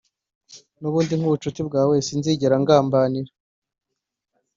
nubundi nkubucuti bwawe sinzigera ngambanira,